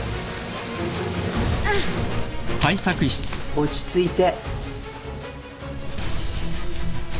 落ち着いて。